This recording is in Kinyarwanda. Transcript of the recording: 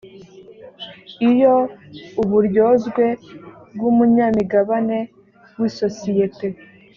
iyo uburyozwe bw umunyamigabane w isosiyete